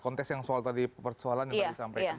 konteks yang soal tadi persoalan yang tadi saya sampaikan